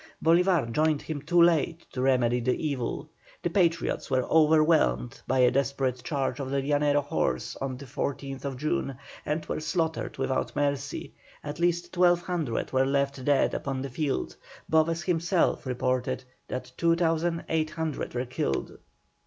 Bolívar joined him too late to remedy the evil. The Patriots were overwhelmed by a desperate charge of the Llanero horse on the 14th June, and were slaughtered without mercy; at least 1,200 were left dead upon the field; Boves himself reported that 2,800 were killed.